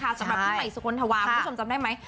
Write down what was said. สำหรับพี่ใหม่สุคลธวาคุณผู้ชมจำได้ไหม